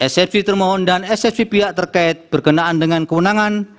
eksepsi termohon dan ssv pihak terkait berkenaan dengan kewenangan